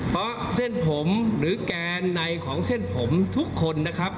เพราะเส้นผมหรือแกนในของเส้นผมทุกคนนะครับ